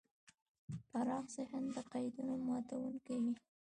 پراخ ذهن د قیدونو ماتونکی وي.